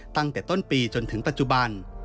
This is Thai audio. ตั้งแต่ต้นปีจนถึงปัจจุบัน